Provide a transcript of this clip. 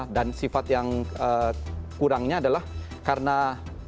dan sifat yang kurangnya adalah karena apa